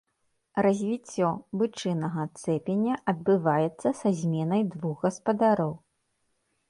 Развіццё бычынага цэпеня адбываецца са зменай двух гаспадароў.